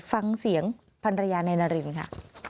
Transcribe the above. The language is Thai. ฟังเสียงพันรยานายนารินค่ะ